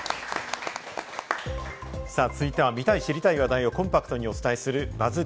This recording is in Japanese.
続いては、見たい、知りたい話題をコンパクトにお伝えするＢＵＺＺ